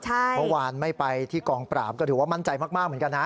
เมื่อวานไม่ไปที่กองปราบก็ถือว่ามั่นใจมากเหมือนกันนะ